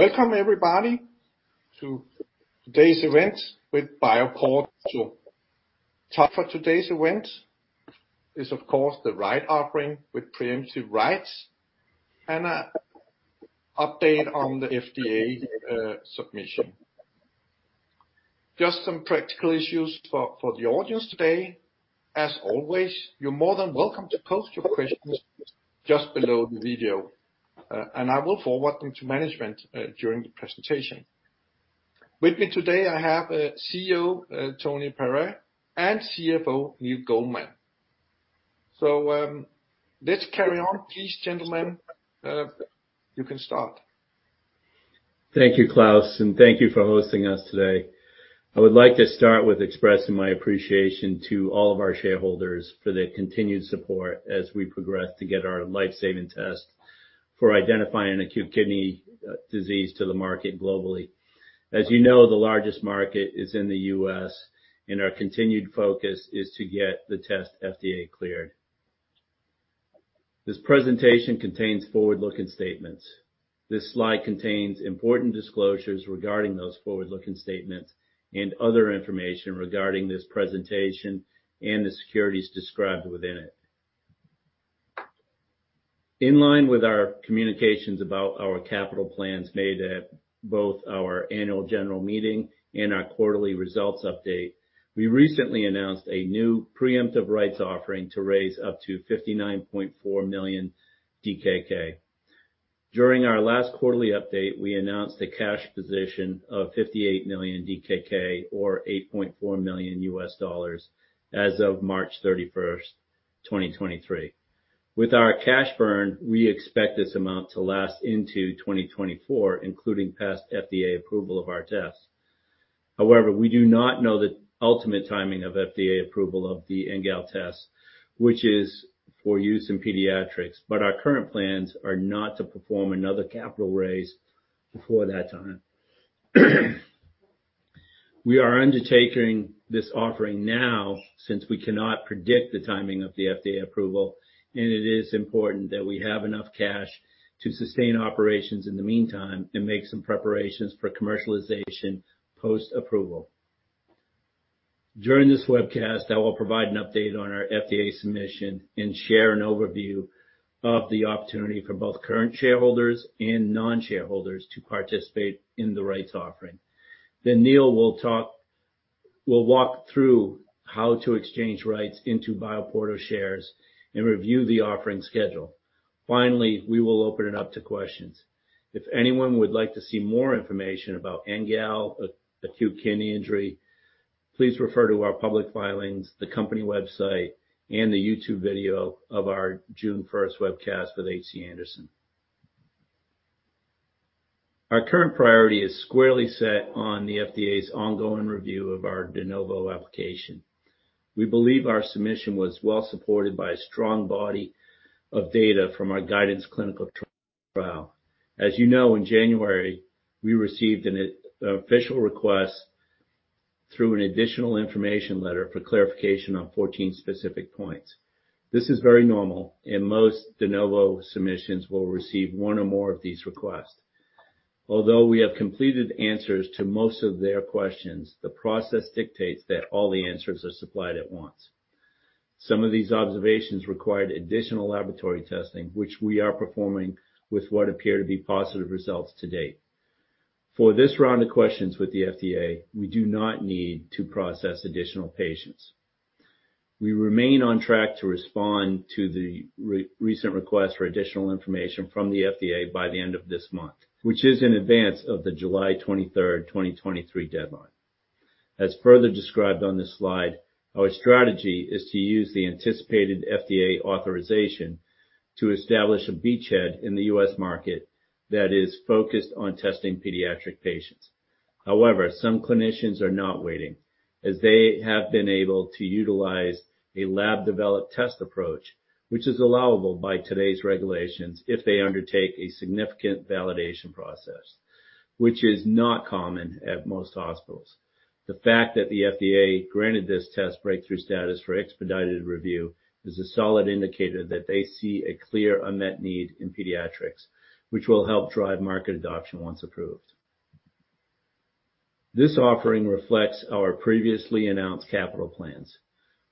Welcome, everybody, to today's event with BioPorto. The topic for today's event is, of course, the right offering with preemptive rights and a update on the FDA submission. Just some practical issues for the audience today. As always, you're more than welcome to post your questions just below the video, I will forward them to management during the presentation. With me today, I have CEO Tony Pare and CFO Neil Goldman. Let's carry on. Please, gentlemen, you can start. Thank you, Klaus, thank you for hosting us today. I would like to start with expressing my appreciation to all of our shareholders for their continued support as we progress to get our life-saving test for identifying acute kidney injury to the market globally. As you know, the largest market is in the U.S., and our continued focus is to get the test FDA cleared. This presentation contains forward-looking statements. This slide contains important disclosures regarding those forward-looking statements and other information regarding this presentation and the securities described within it. In line with our communications about our capital plans made at both our annual general meeting and our quarterly results update, we recently announced a new preemptive rights offering to raise up to 59.4 million DKK. During our last quarterly update, we announced a cash position of 58 million DKK, or $8.4 million as of March 31, 2023. With our cash burn, we expect this amount to last into 2024, including past FDA approval of our test. We do not know the ultimate timing of FDA approval of the NGAL test, which is for use in pediatrics, but our current plans are not to perform another capital raise before that time. We are undertaking this offering now since we cannot predict the timing of the FDA approval, and it is important that we have enough cash to sustain operations in the meantime and make some preparations for commercialization post-approval. During this webcast, I will provide an update on our FDA submission and share an overview of the opportunity for both current shareholders and non-shareholders to participate in the rights offering. Neil will walk through how to exchange rights into BioPorto shares and review the offering schedule. Finally, we will open it up to questions. If anyone would like to see more information about NGAL, acute kidney injury, please refer to our public filings, the company website, and the YouTube video of our June 1st webcast with HC Andersen Capital. Our current priority is squarely set on the FDA's ongoing review of our De Novo application. We believe our submission was well supported by a strong body of data from our guidance clinical trial. As you know, in January, we received an official request through an Additional Information Letter for clarification on 14 specific points. This is very normal, and most De Novo submissions will receive one or more of these requests. Although we have completed answers to most of their questions, the process dictates that all the answers are supplied at once. Some of these observations required additional laboratory testing, which we are performing with what appear to be positive results to date. For this round of questions with the FDA, we do not need to process additional patients. We remain on track to respond to the recent request for additional information from the FDA by the end of this month, which is in advance of the July 23rd, 2023 deadline. As further described on this slide, our strategy is to use the anticipated FDA authorization to establish a beachhead in the U.S. market that is focused on testing pediatric patients. Some clinicians are not waiting, as they have been able to utilize a laboratory-developed test approach, which is allowable by today's regulations if they undertake a significant validation process, which is not common at most hospitals. The fact that the FDA granted this test breakthrough status for expedited review is a solid indicator that they see a clear unmet need in pediatrics, which will help drive market adoption once approved. This offering reflects our previously announced capital plans.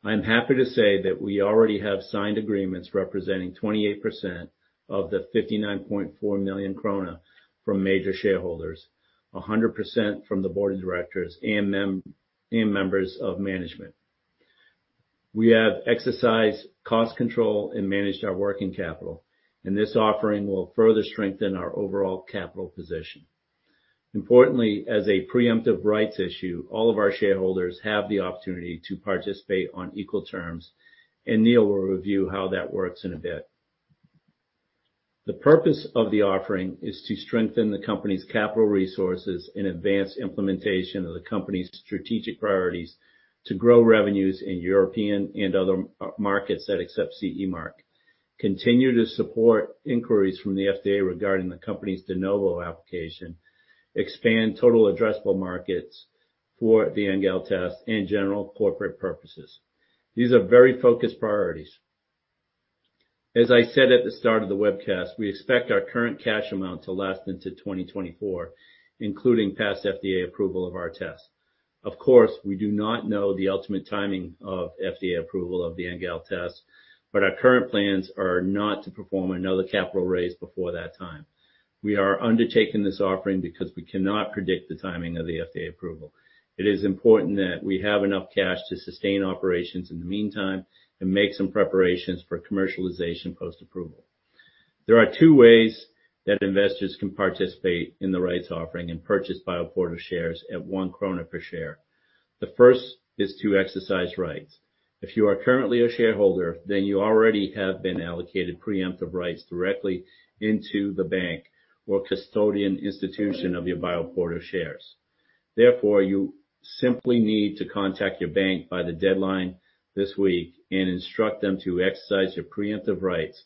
I'm happy to say that we already have signed agreements representing 28% of the 59.4 million krone from major shareholders, 100% from the board of directors and members of management. We have exercised cost control and managed our working capital, this offering will further strengthen our overall capital position. Importantly, as a preemptive rights offering, all of our shareholders have the opportunity to participate on equal terms, and Neil will review how that works in a bit. The purpose of the offering is to strengthen the company's capital resources and advance implementation of the company's strategic priorities to grow revenues in European and other markets that accept CE mark, continue to support inquiries from the FDA regarding the company's De Novo application, expand total addressable markets for the NGAL Test, and general corporate purposes. These are very focused priorities. As I said at the start of the webcast, we expect our current cash amount to last into 2024, including past FDA approval of our test. Of course, we do not know the ultimate timing of FDA approval of the NGAL Test, but our current plans are not to perform another capital raise before that time. We are undertaking this offering because we cannot predict the timing of the FDA approval. It is important that we have enough cash to sustain operations in the meantime and make some preparations for commercialization post-approval. There are two ways that investors can participate in the rights offering and purchase BioPorto shares at 1 krone per share. The first is to exercise rights. If you are currently a shareholder, you already have been allocated preemptive rights directly into the bank or custodian institution of your BioPorto shares. You simply need to contact your bank by the deadline this week and instruct them to exercise your preemptive rights.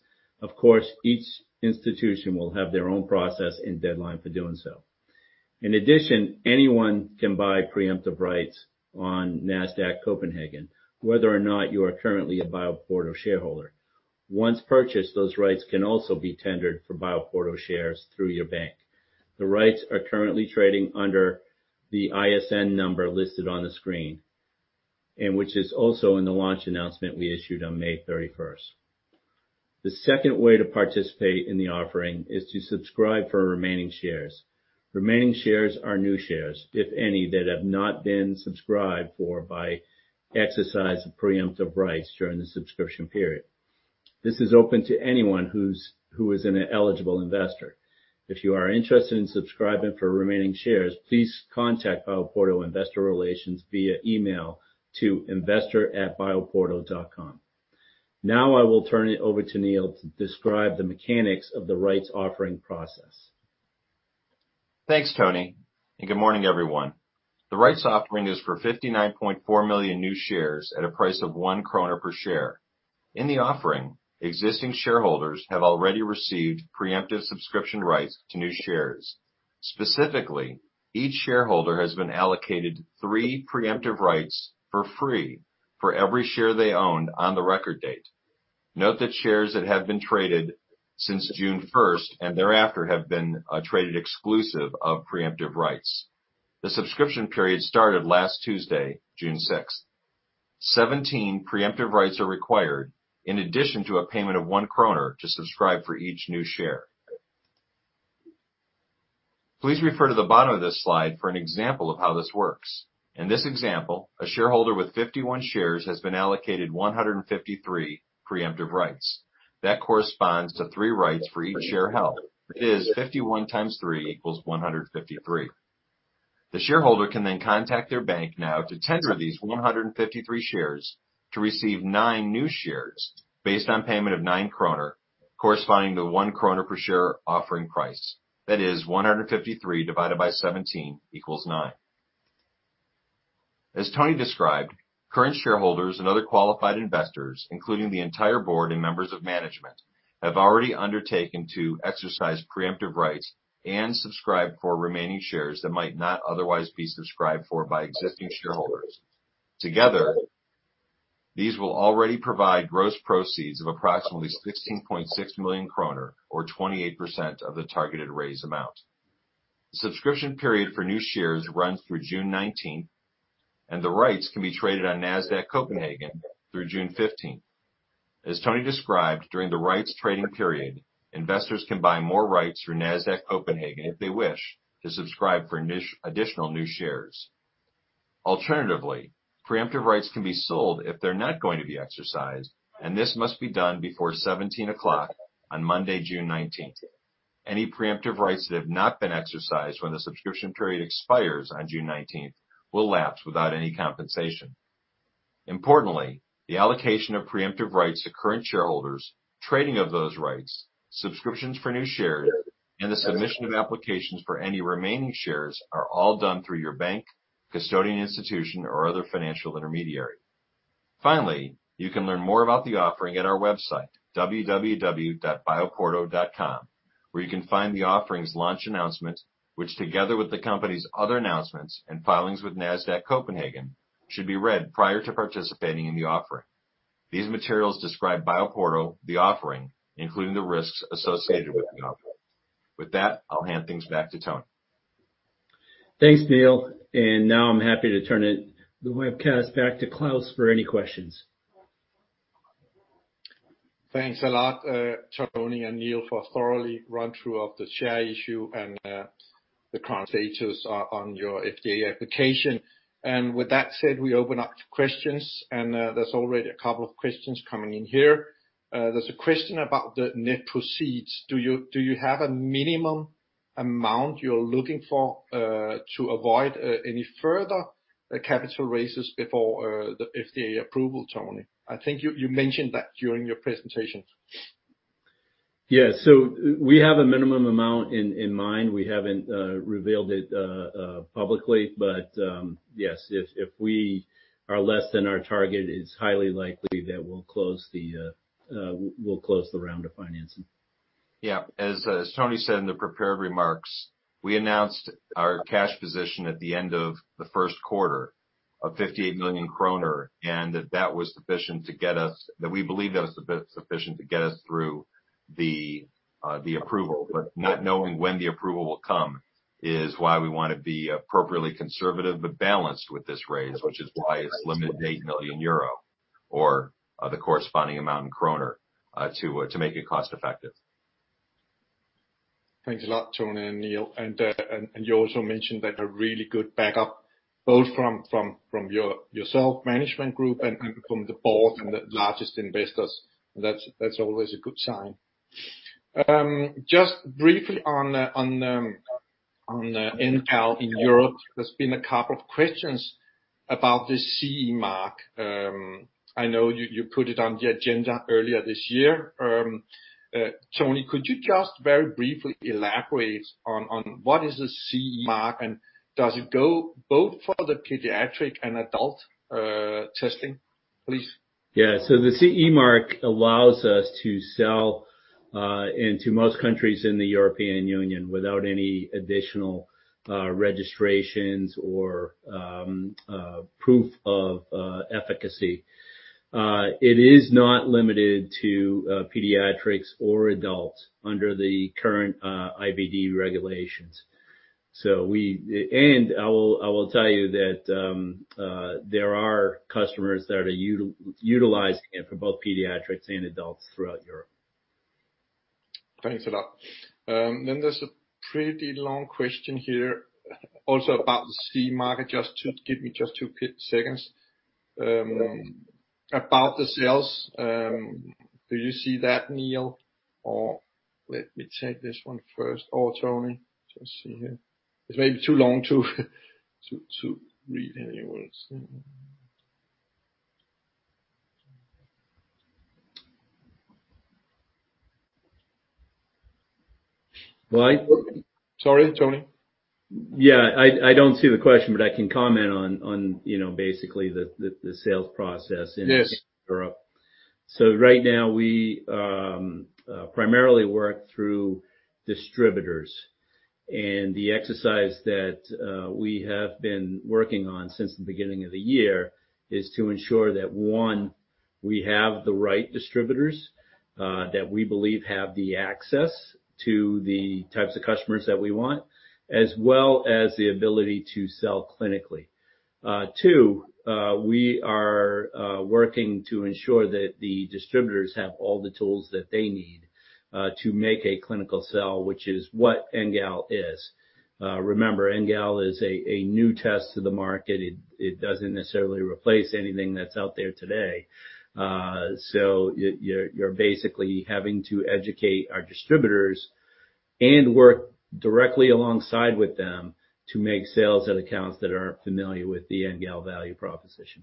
Each institution will have their own process and deadline for doing so. Anyone can buy preemptive rights on Nasdaq Copenhagen, whether or not you are currently a BioPorto shareholder. Once purchased, those rights can also be tendered for BioPorto shares through your bank. The rights are currently trading under the ISIN number listed on the screen, which is also in the launch announcement we issued on May 31st. The second way to participate in the offering is to subscribe for remaining shares. Remaining shares are new shares, if any, that have not been subscribed for by exercise of preemptive rights during the subscription period. This is open to anyone who is an eligible investor. If you are interested in subscribing for remaining shares, please contact BioPorto Investor Relations via email to investor@bioporto.com. I will turn it over to Neil to describe the mechanics of the rights offering process. Thanks, Tony, and good morning, everyone. The rights offering is for 59.4 million new shares at a price of 1 kroner per share. In the offering, existing shareholders have already received preemptive subscription rights to new shares. Specifically, each shareholder has been allocated three preemptive rights for free for every share they own on the record date. Note that shares that have been traded since June first and thereafter have been traded exclusive of preemptive rights. The subscription period started last Tuesday, June sixth. 17 preemptive rights are required, in addition to a payment of 1 kroner, to subscribe for each new share. Please refer to the bottom of this slide for an example of how this works. In this example, a shareholder with 51 shares has been allocated 153 preemptive rights. That corresponds to 3 rights for each share held. 51 times 3 equals 153. The shareholder can then contact their bank now to tender these 153 shares to receive 9 new shares based on payment of 9 kroner, corresponding to 1 kroner per share offering price. 153 divided by 17 equals 9. As Tony described, current shareholders and other qualified investors, including the entire board and members of management, have already undertaken to exercise preemptive rights and subscribe for remaining shares that might not otherwise be subscribed for by existing shareholders. Together, these will already provide gross proceeds of approximately 16.6 million kroner, or 28% of the targeted raise amount. The subscription period for new shares runs through June 19th, and the rights can be traded on Nasdaq Copenhagen through June 15th. As Tony described, during the rights trading period, investors can buy more rights through Nasdaq Copenhagen if they wish to subscribe for additional new shares. Alternatively, preemptive rights can be sold if they're not going to be exercised. This must be done before 5:00 P.M. on Monday, June 19th. Any preemptive rights that have not been exercised when the subscription period expires on June 19th will lapse without any compensation. Importantly, the allocation of preemptive rights to current shareholders, trading of those rights, subscriptions for new shares, and the submission of applications for any remaining shares are all done through your bank, custodian institution, or other financial intermediary. Finally, you can learn more about the offering at our website, www.bioporto.com, where you can find the offerings launch announcement, which together with the company's other announcements and filings with Nasdaq Copenhagen, should be read prior to participating in the offering. These materials describe BioPorto, the offering, including the risks associated with the offering. With that, I'll hand things back to Tony. Thanks, Neil, now I'm happy to turn the webcast back to Klaus for any questions. Thanks a lot, Tony and Neil, for thoroughly run through of the share issue and the current status on your FDA application. With that said, we open up questions, there's already a couple of questions coming in here. There's a question about the net proceeds. Do you have a minimum amount you're looking for to avoid any further capital raises before the FDA approval, Tony? I think you mentioned that during your presentation. Yeah. We have a minimum amount in mind. We haven't revealed it publicly, but yes, if we are less than our target, it's highly likely that we'll close the round of financing. Yeah, as Tony said in the prepared remarks, we announced our cash position at the end of the first quarter of 58 million kroner, and that was sufficient to get us, that we believe that was sufficient to get us through the approval. Not knowing when the approval will come is why we wanna be appropriately conservative but balanced with this raise, which is why it's limited to 8 million euro or the corresponding amount in kroner to make it cost effective. Thanks a lot, Tony and Neil. You also mentioned that a really good backup, both from yourself, management group and from the board and the largest investors. That's always a good sign. Just briefly on NGAL in Europe, there's been a couple of questions about the CE mark. I know you put it on the agenda earlier this year. Tony, could you just very briefly elaborate on what is a CE mark, and does it go both for the pediatric and adult testing, please? The CE mark allows us to sell into most countries in the European Union without any additional registrations or proof of efficacy. It is not limited to pediatrics or adults under the current IVD regulations. I will tell you that, there are customers that are utilizing it for both pediatrics and adults throughout Europe. Thanks a lot. There's a pretty long question here, also about the CE mark. Give me just two quick seconds. About the sales, do you see that, Neil? Let me check this one first. Tony, just see here. It's maybe too long to read anyways. Well. Sorry, Tony. Yeah, I don't see the question, but I can comment on, you know, basically the sales process... Yes in Europe. Right now, we primarily work through distributors. The exercise that we have been working on since the beginning of the year is to ensure that, one, we have the right distributors that we believe have the access to the types of customers that we want, as well as the ability to sell clinically. Two, we are working to ensure that the distributors have all the tools that they need to make a clinical sell, which is what NGAL is. Remember, NGAL is a new test to the market. It doesn't necessarily replace anything that's out there today. You're basically having to educate our distributors and work directly alongside with them to make sales at accounts that aren't familiar with the NGAL value proposition.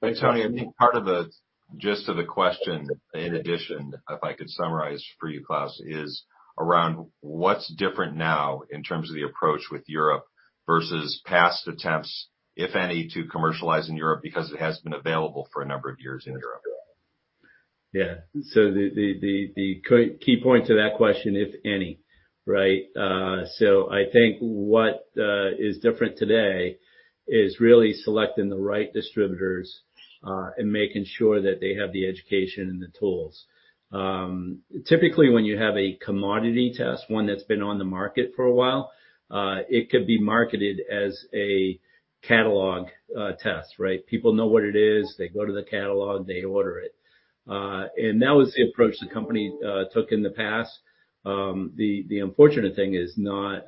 Thanks, Tony. I think part of the gist of the question, in addition, if I could summarize for you, Claus, is around what's different now in terms of the approach with Europe versus past attempts, if any, to commercialize in Europe, because it has been available for a number of years in Europe. Yeah. The key point to that question, if any, right? I think what is different today is really selecting the right distributors and making sure that they have the education and the tools. Typically, when you have a commodity test, one that's been on the market for a while, it could be marketed as a catalog test, right? People know what it is. They go to the catalog, they order it. That was the approach the company took in the past. The unfortunate thing is not,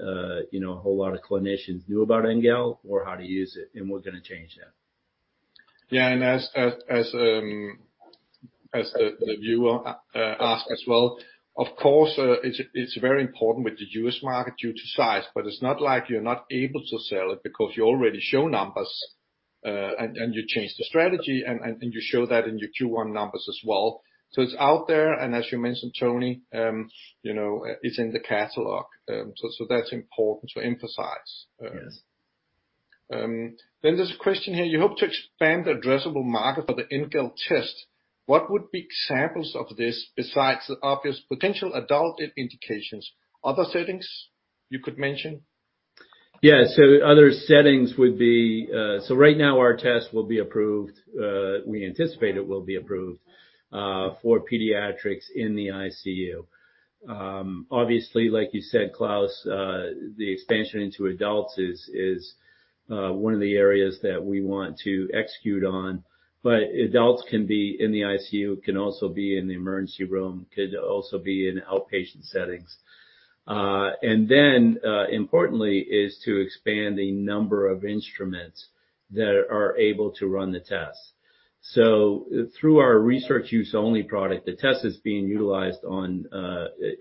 you know, a whole lot of clinicians knew about NGAL or how to use it, and we're gonna change that. Yeah, as the viewer asked as well, of course, it's very important with the U.S. market due to size, but it's not like you're not able to sell it because you already show numbers, and you change the strategy, and you show that in your Q1 numbers as well. It's out there, as you mentioned, Tony, you know, it's in the catalog. That's important to emphasize. Yes. There's a question here: You hope to expand the addressable market for the NGAL test. What would be examples of this besides the obvious potential adult indications? Other settings you could mention? Other settings would be. Right now, our test will be approved, we anticipate it will be approved, for pediatrics in the ICU. Obviously, like you said, Klaus, the expansion into adults is one of the areas that we want to execute on. Adults can be in the ICU, can also be in the emergency room, could also be in outpatient settings. And then, importantly, is to expand the number of instruments that are able to run the test. Through our Research Use Only product, the test is being utilized on,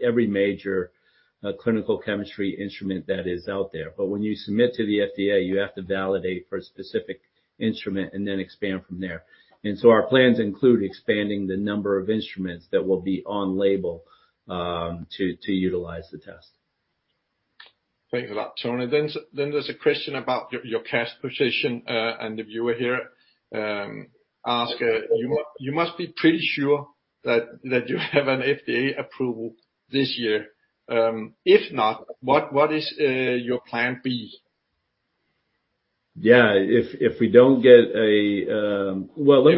every major, clinical chemistry analyzer that is out there. When you submit to the FDA, you have to validate for a specific instrument and then expand from there. Our plans include expanding the number of instruments that will be on label, to utilize the test.... Thanks a lot, Tony. There's a question about your cash position, the viewer here ask, "You must be pretty sure that you have an FDA approval this year. If not, what is your plan B? Yeah. Well, let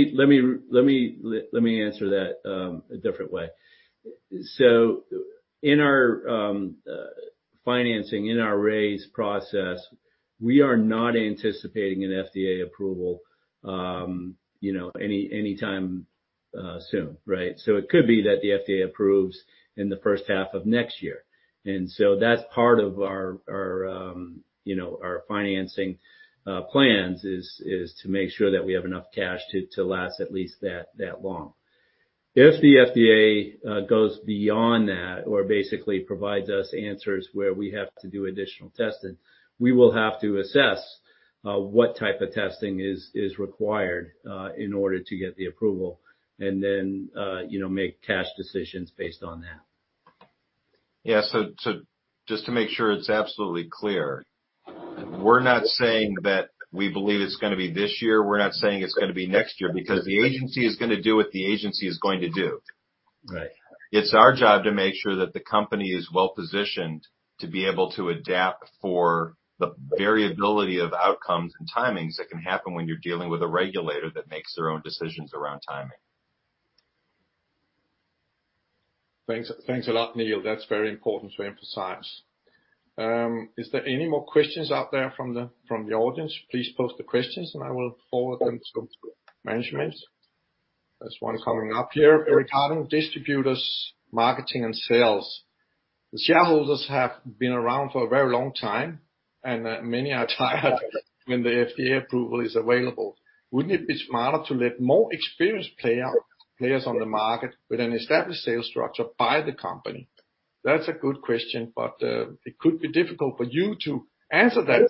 me answer that a different way. In our financing, in our raise process, we are not anticipating an FDA approval, you know, anytime soon, right? It could be that the FDA approves in the first half of next year, and so that's part of our, you know, our financing plans, is to make sure that we have enough cash to last at least that long. If the FDA goes beyond that or basically provides us answers where we have to do additional testing, we will have to assess what type of testing is required in order to get the approval, and then, you know, make cash decisions based on that. Just to make sure it's absolutely clear, we're not saying that we believe it's gonna be this year, we're not saying it's gonna be next year, because the agency is gonna do what the agency is going to do. Right. It's our job to make sure that the company is well positioned to be able to adapt for the variability of outcomes and timings that can happen when you're dealing with a regulator that makes their own decisions around timing. Thanks, thanks a lot, Neil. That's very important to emphasize. Is there any more questions out there from the, from the audience? Please post the questions, and I will forward them to management. There's one coming up here. Regarding distributors, marketing, and sales. The shareholders have been around for a very long time, and many are tired when the FDA approval is available. Wouldn't it be smarter to let more experienced players on the market with an established sales structure buy the company? That's a good question, but it could be difficult for you to answer that.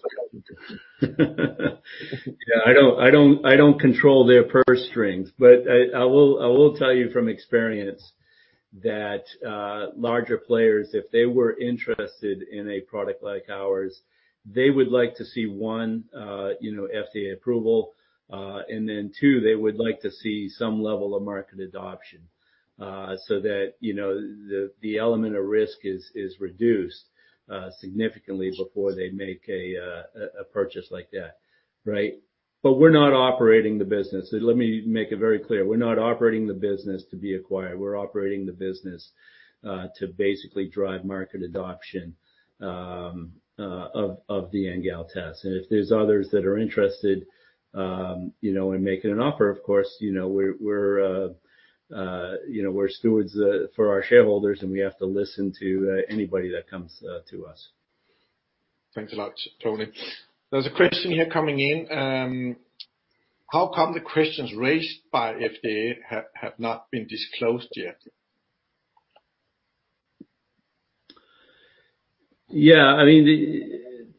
I don't, I don't, I don't control their purse strings. I will, I will tell you from experience that larger players, if they were interested in a product like ours, they would like to see, one, you know, FDA approval, and then, two, they would like to see some level of market adoption, so that, you know, the element of risk is reduced significantly before they make a purchase like that, right? We're not operating the business. Let me make it very clear, we're not operating the business to be acquired. We're operating the business to basically drive market adoption of the NGAL test. If there's others that are interested, you know, in making an offer, of course, you know, we're, you know, we're stewards for our shareholders, and we have to listen to anybody that comes to us. Thanks a lot, Tony. There's a question here coming in. How come the questions raised by FDA have not been disclosed yet? I mean,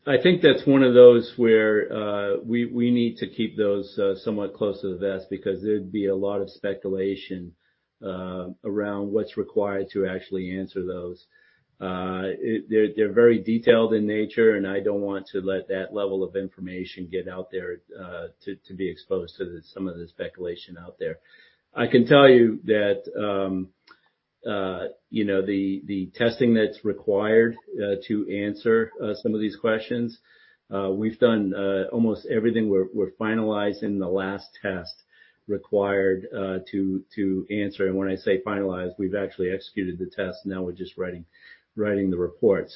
I think that's one of those where we need to keep those somewhat close to the vest, because there'd be a lot of speculation around what's required to actually answer those. They're very detailed in nature, and I don't want to let that level of information get out there to be exposed to some of the speculation out there. I can tell you that, you know, the testing that's required to answer some of these questions, we've done almost everything. We're finalizing the last test required to answer. When I say finalize, we've actually executed the test. Now we're just writing the report.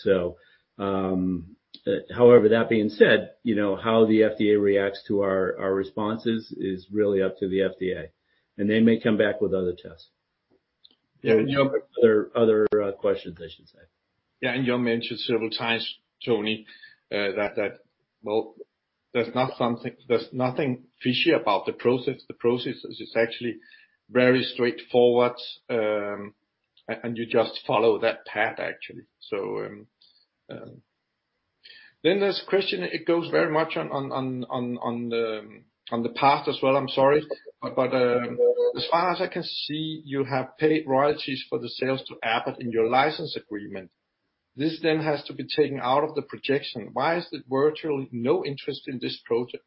However, that being said, you know, how the FDA reacts to our responses is really up to the FDA, and they may come back with other tests. Yeah. Other questions, I should say. Yeah, you mentioned several times, Tony, well, there's nothing fishy about the process. The process is actually very straightforward, you just follow that path, actually. This question, it goes very much on the path as well, I'm sorry, as far as I can see, you have paid royalties for the sales to Abbott in your license agreement. This has to be taken out of the projection. Why is there virtually no interest in this product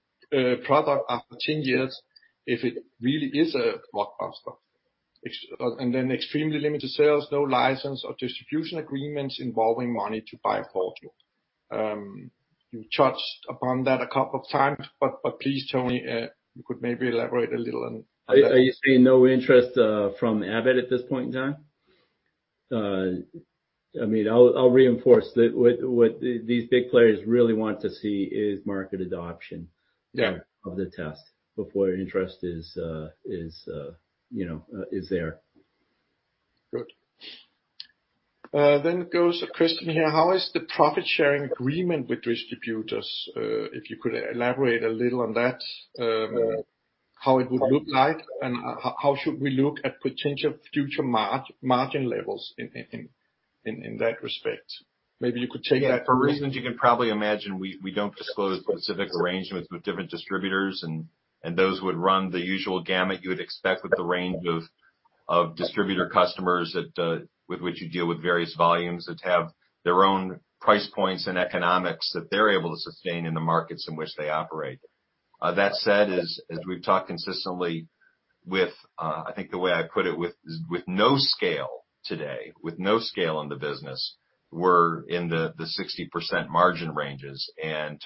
after 10 years if it really is a blockbuster? Extremely limited sales, no license or distribution agreements involving money to buy BioPorto. You touched upon that a couple of times, but please, Tony, you could maybe elaborate a little on that. Are you seeing no interest from Abbott at this point, John? I mean, I'll reinforce that what these big players really want to see is market adoption. Yeah of the test before interest is, you know, is there. Good. Goes a question here: How is the profit-sharing agreement with distributors? If you could elaborate a little on that, how it would look like and how should we look at potential future margin levels in that respect? Maybe you could take that. Yeah. For reasons you can probably imagine, we don't disclose specific arrangements with different distributors, and those would run the usual gamut you would expect with the range of distributor customers that with which you deal with various volumes, that have their own price points and economics that they're able to sustain in the markets in which they operate. That said, as we've talked consistently with I think the way I put it, with no scale today, with no scale in the business, we're in the 60% margin ranges.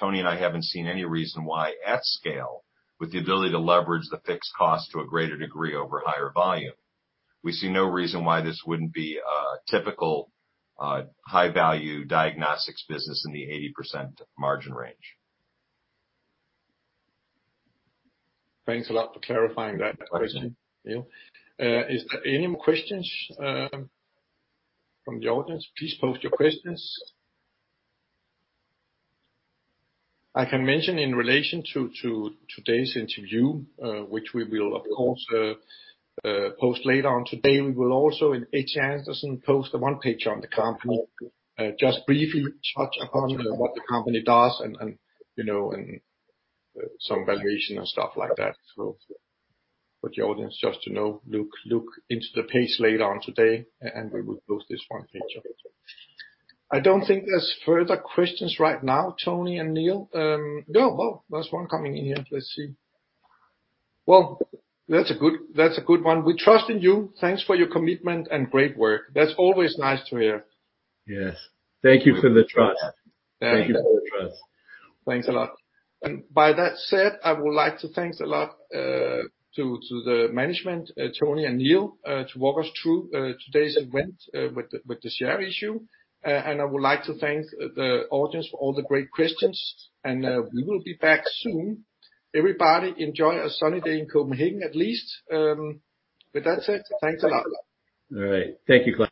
Tony and I haven't seen any reason why, at scale, with the ability to leverage the fixed cost to a greater degree over higher volume, we see no reason why this wouldn't be a typical high-value diagnostics business in the 80% margin range. Thanks a lot for clarifying that question, Neil. Is there any more questions from the audience? Please post your questions. I can mention in relation to today's interview, which we will, of course, post later on today, we will also in H.C. Andersen Capital post the one page on the company, just briefly touch upon, you know, what the company does and, you know, and some valuation and stuff like that. For the audience just to know, look into the page later on today, and we will post this one page. I don't think there's further questions right now, Tony and Neil. No. There's one coming in here. Let's see. That's a good one: "We trust in you. Thanks for your commitment and great work." That's always nice to hear. Yes. Thank you for the trust. Thank you. Thank you for the trust. Thanks a lot. By that said, I would like to thanks a lot, to the management, Tony and Neil, to walk us through, today's event, with the share issue. I would like to thank the audience for all the great questions, and, we will be back soon. Everybody, enjoy a sunny day in Copenhagen, at least. With that said, thanks a lot. All right. Thank you, Klaus.